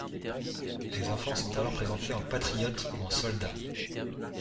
Les enfants sont alors présentés en patriote ou en soldat.